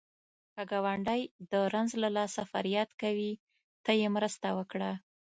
که ګاونډی د رنځ له لاسه فریاد کوي، ته یې مرسته وکړه